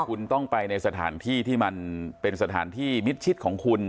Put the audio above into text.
คุณต้องไปในสถานที่ที่มันเป็นสถานที่มิดชิดของคุณ